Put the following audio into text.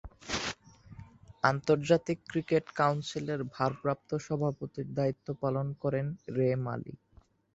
আন্তর্জাতিক ক্রিকেট কাউন্সিলের ভারপ্রাপ্ত সভাপতির দায়িত্ব পালন করেন রে মালি।